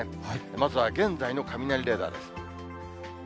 まずは現在の雷レーダーです。